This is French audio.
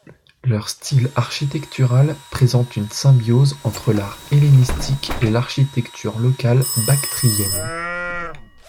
Leur style architectural présente une symbiose entre l'art hellénistique et l'architecture locale bactrienne.